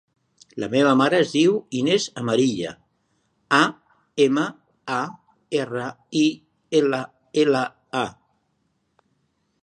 La meva mare es diu Inès Amarilla: a, ema, a, erra, i, ela, ela, a.